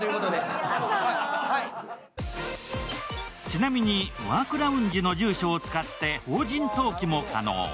ちなみに、ワークラウンジの住所を使って法人登記も可能。